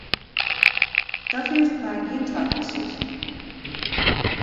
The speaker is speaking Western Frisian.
Dat liet ik my gjin twa kear sizze.